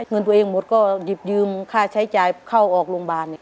เงินตัวเองหมดก็หยิบยืมค่าใช้จ่ายเข้าออกโรงพยาบาล